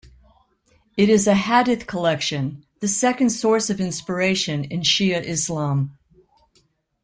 It is a hadith collection, the second source of inspiration in Shia Islam.